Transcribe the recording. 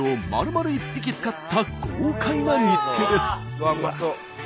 うわっうまそう。